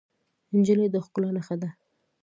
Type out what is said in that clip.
نجلۍ د ښکلا نښه ده.